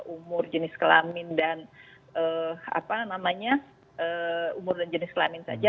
umur jenis kelamin dan umur dan jenis kelamin saja